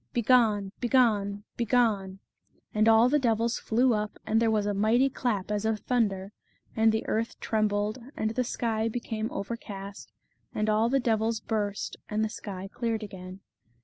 Begone! begone! begone !" And all the devils flew up, and there was a mighty The Fairy of the Dell. 37 clap as of thunder, and the earth trembled, and the sky became overcast, and all the devils burst, and the sky cleared again.